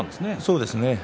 そうですね。